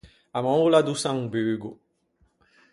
A moula do sambugo.